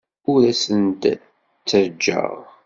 Ur asen-d-ttajjaɣ.